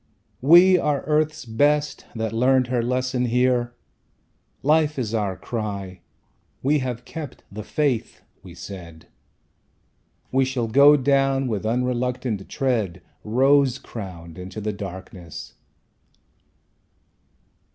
"We are Earth's best, that learnt her lesson here. Life is our cry. We have kept the faith!" we said; "We shall go down with unreluctant tread Rose crowned into the darkness!"